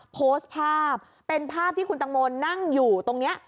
โพสต์ภาพเป็นภาพที่คุณตังโมนั่งอยู่ตรงนี้